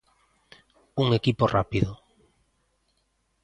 Un equipo rápido.